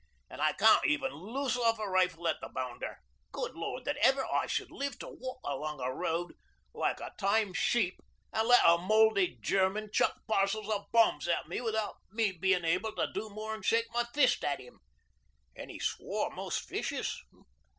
An' I can't even loose off a rifle at the bounder. Good Lord, that ever I should live to walk along a road like a tame sheep an' let a mouldy German chuck parcels o' bombs at me without me being able to do more'n shake my fist at 'im. ..." 'An he swore most vicious.